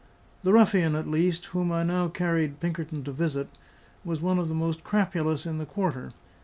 The ruffian, at least, whom I now carried Pinkerton to visit, was one of the most crapulous in the quarter.